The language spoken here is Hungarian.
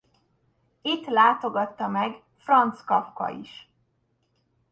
Itt látogatta meg Franz Kafka is.